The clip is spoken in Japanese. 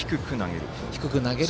低く投げる？